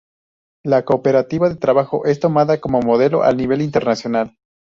La cooperativa de trabajo es tomada como modelo a nivel internacional.